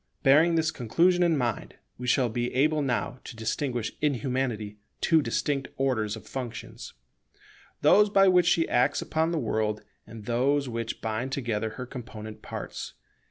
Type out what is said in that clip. Bearing this conclusion in mind, we shall be able now to distinguish in Humanity two distinct orders of functions: those by which she acts upon the world, and those which bind together her component parts.